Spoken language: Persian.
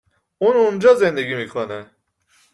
اون اونجا زندگی می کنه